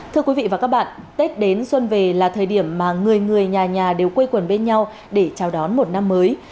thưa quý vị và các bạn tết đến xuân về là thời điểm mà người người nhà nhà đều quê quần bên nhau để chào đón một năm mới